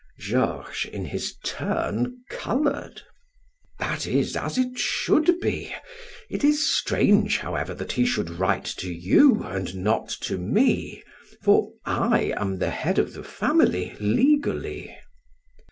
Georges, in his turn, colored. "That is as it should be. It is strange, however, that he should write to you and not to me, for I am the head of the family legally."